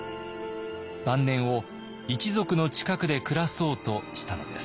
晩年を一族の近くで暮らそうとしたのです。